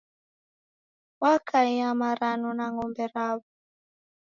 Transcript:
Wakaia maranu na ng'ombe raw'o.